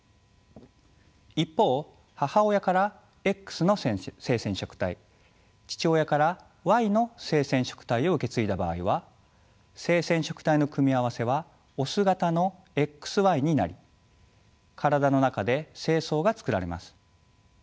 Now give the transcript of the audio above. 一方母親からＸの性染色体父親からＹの性染色体を受け継いだ場合は性染色体の組み合わせはオス型のＸＹになり体の中で精巣が作られます。